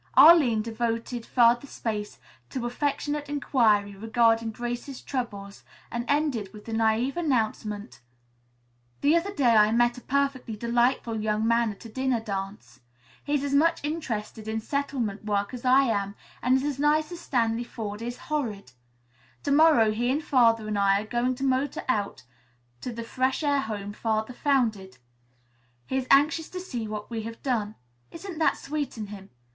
Arline devoted further space to affectionate inquiry regarding Grace's troubles and ended with the naïve announcement: "The other day I met a perfectly delightful young man at a dinner dance. He is as much interested in settlement work as I am, and is as nice as Stanley Forde is horrid. To morrow he and Father and I are going to motor out to the fresh air home Father founded. He is anxious to see what we have done. Isn't that sweet in him?